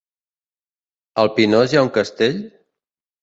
A el Pinós hi ha un castell?